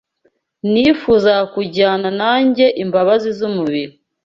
Nifuzaga kujyana nanjye imbabazi z'umubiri